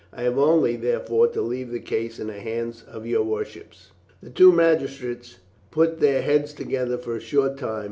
I have only, therefore, to leave the case in the hands of your worships." The two magistrates put their heads together for a short time.